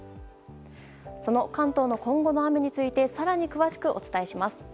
その関東の今後の雨について更に詳しくお伝えします。